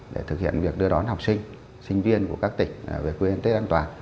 để thực hiện việc đưa đón học sinh sinh viên của các tỉnh về quê ăn tết an toàn